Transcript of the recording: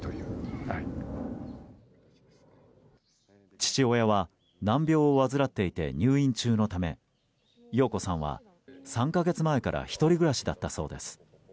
父親は、難病を患っていて入院中のため陽子さんは、３か月前から１人暮らしだったそうです。